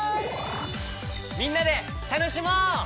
みんなでたのしもう！